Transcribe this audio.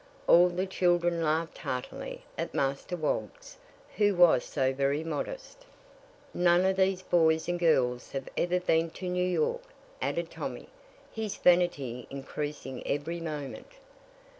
All the children laughed heartily at Master Woggs, who was so very modest! "None of these boys and girls have ever been to New York," added Tommy, his vanity increasing every moment.